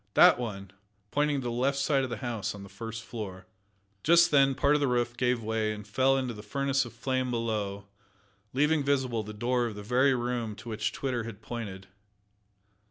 "That one," pointing to the left side of the house on the first floor. Just then part of the roof gave way and fell into the furnace of flame below, leaving visible the door of the very room to which Twitter had pointed.